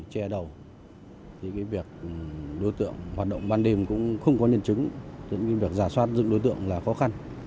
chè đầu đối tượng hoạt động ban đêm cũng không có nhân chứng giả soát dựng đối tượng là khó khăn